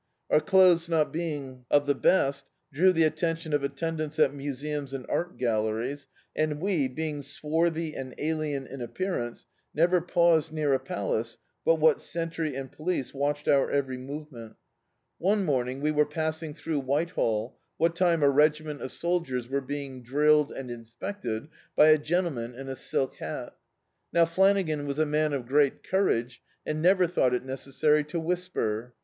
Our clothes not beii^ of the best, drew the atten tion of attendants at museums and art galleries, and we, being swarthy and alien in appearance, never paused near a palace but what sentry and police watched our every movement. One morning we D,i.,.db, Google ,The Autobiography of a Super Tramp were passing throu^ Whitehall, what time a re^* ment of soldiers were being drilled and inspected by a gentleman in a silk haL Now Flanagan was a man of great courage and never thou^t it neces sary to whisper.